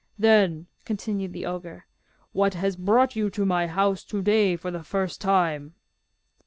'Then,' continued the ogre, 'What has brought you to my house to day for the first time?